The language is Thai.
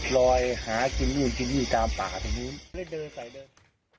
ลอยหากินจริงตามป่าตรงนู้น